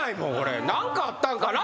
何かあったんかな？